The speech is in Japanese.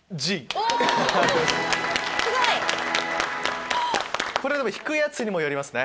すごい。これはでも引くやつにもよりますね。